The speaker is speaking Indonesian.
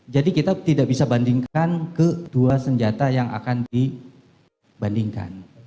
jadi kita tidak bisa bandingkan kedua senjata yang akan dibandingkan